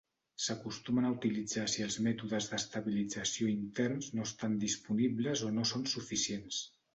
S'acostumen a utilitzar si els mètodes d'estabilització interns no estan disponibles o no són suficients.